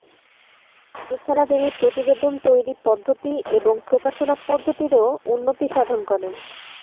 এছাড়া তিনি প্রতিবেদন তৈরি পদ্ধতি এবং প্রকাশনা পদ্ধতিরও উন্নতি সাধন করেন।